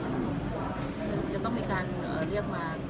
อย่าต้องมีการเรียกมา